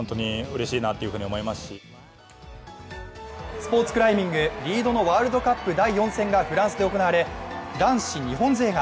スポーツクライミング、リードのワールドカップ第４戦がフランスで行われ男子日本勢が